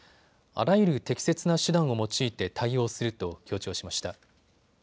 あらゆる適切な手段を用いて対応すると強調しました。